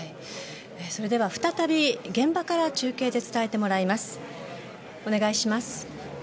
それでは再び現場から中継で伝えてもらいます。